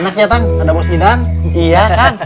enaknya tanggung jawab sidang iya